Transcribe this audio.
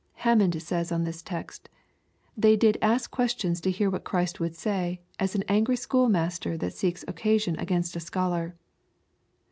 Hammond says on this text, " They did ask questions to hear what Christ would say, as an angry schoolmaster that seeks occasion against a scholar."